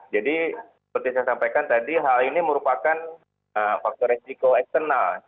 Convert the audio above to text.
jadi seperti saya sampaikan tadi hal ini merupakan faktor resiko eksternal